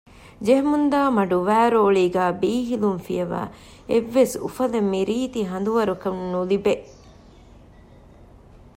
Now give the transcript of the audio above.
ޖެހެމުންދާ މަޑުވައިރޯޅީގައި ބީހިލުން ފިޔަވައި އެއްވެސް އުފަލެއް މިރީތި ހަނދުވަރަކުން ނުލިބޭ